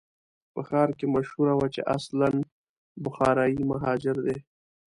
په ښار کې مشهوره وه چې اصلاً بخارایي مهاجر دی.